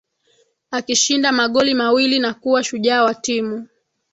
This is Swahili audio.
Akishinda magoli mawili na kuwa shujaa wa timu